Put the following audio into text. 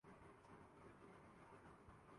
یہی ٹھیک راستہ ہے۔